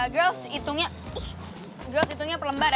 girls hitungnya perlembar ya